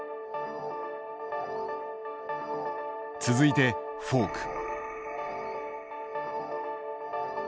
続いてフォーク。